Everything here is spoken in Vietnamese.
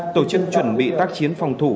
tổ chức chuẩn bị tác chiến phòng thủ